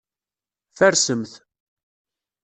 Farsemt.